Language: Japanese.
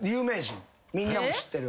みんなも知ってる。